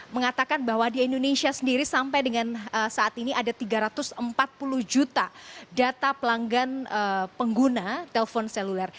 mengatakan bahwa di indonesia sendiri sampai dengan saat ini ada tiga ratus empat puluh juta data pelanggan pengguna telpon seluler